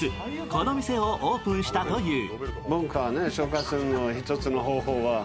この店をオープンしたという。